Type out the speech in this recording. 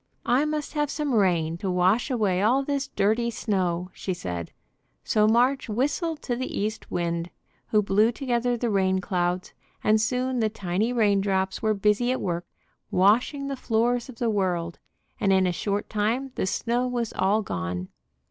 "I must have some rain to wash away all this dirty snow," she said; so March whistled to the East Wind, who blew together the rain clouds, and soon the tiny rain drops were busy at work washing the floors of the world, and in a short time the snow was all gone.